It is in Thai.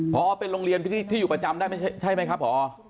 พอเป็นโรงเรียนที่อยู่ประจำได้ใช่ไหมครับพอ